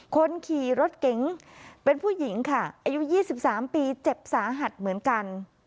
คนขี่รถเก๋งเป็นผู้หญิงค่ะอายุ๒๓ปีเจ็บสาหัสเหมือนกัน